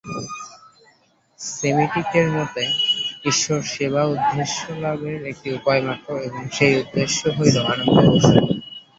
সেমিটিকের মতে ঈশ্বর-সেবা উদ্দেশ্যলাভের একটি উপায়মাত্র এবং সেই উদ্দেশ্য হইল আনন্দ ও সুখ।